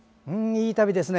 いい旅ですね。